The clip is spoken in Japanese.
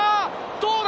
どうだ？